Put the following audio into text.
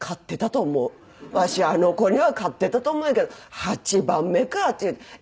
わしあの子には勝ってたと思うんやけど８番目かって。